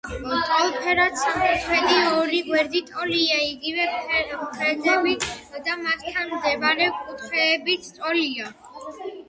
ტოლფერდა სამკუთხედი: ორი გვერდი ტოლია, იგივე ფერდები და მასთან მდებარე კუთხეებიც ტოლია.